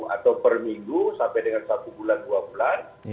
atau perminggu sampai dengan satu bulan dua bulan